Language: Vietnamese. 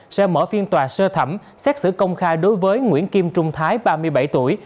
sẽ mở phiên tòa sơ thẩm xét xử công khai đối với nguyễn kim trung thái ba mươi bảy tuổi